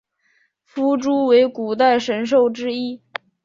夫诸为古代神兽之一。